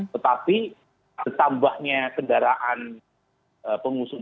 tetapi tambahnya kendaraan pengusung